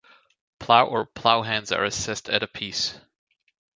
Plow or ploughlands are assessed at apiece.